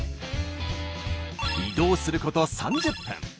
移動すること３０分。